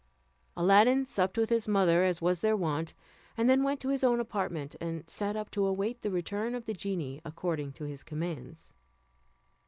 Aladdin supped with his mother as was their wont, and then went to his own apartment, and sat up to await the return of the genie, according to his commands.